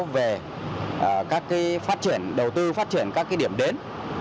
về các cái phát triển đầu tư phát triển các cái điểm đến